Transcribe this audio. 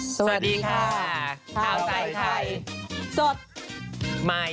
สวัสดีค่ะข่าวใจไทยสดมาย